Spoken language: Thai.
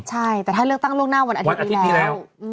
ใช่แต่ถ้าเลือกตั้งล่วงหน้าวันอาทิตย์นี้แล้ว